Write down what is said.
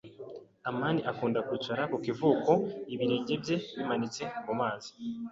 amani akunda kwicara ku kivuko ibirenge bye bimanitse mu mazi.